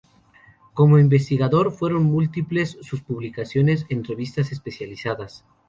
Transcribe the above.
Como investigador, fueron múltiples sus publicaciones en revistas especializadas.